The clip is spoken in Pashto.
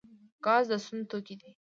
ګاز د سون توکی دی